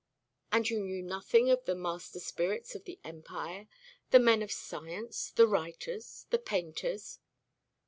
"And you knew nothing of the master spirits of the Empire, the men of science, the writers, the painters?"